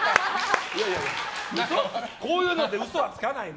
こういうので嘘はつかないの！